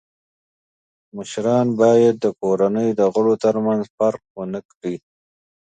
مشران باید د کورنۍ د غړو تر منځ فرق و نه کړي.